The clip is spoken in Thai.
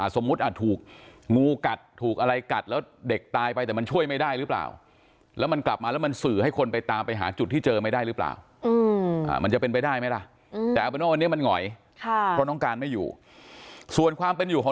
สมมุติถูกงูกัดถูกอะไรกัดแล้วเด็กตายไปแต่มันช่วยไม่ได้หรือเปล่า